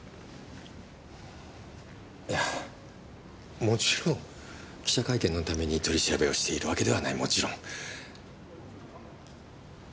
いやもちろん記者会見のために取り調べをしているわけではないもちろん。